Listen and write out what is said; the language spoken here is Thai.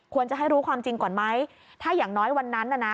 จะให้รู้ความจริงก่อนไหมถ้าอย่างน้อยวันนั้นน่ะนะ